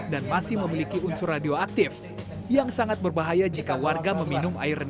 dan masih memiliki unsur radioaktif yang sangat berbahaya jika warga mencari batu meteorit